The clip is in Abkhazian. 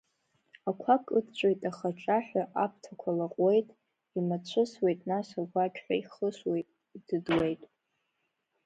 Ақәа кыдҵәоит ахаҽаҳәа аԥҭақәа лаҟәуеит, имацәысуеит, нас агәақьҳәа ихысуеит, идыдуеит.